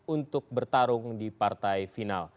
untuk bertarung di partai final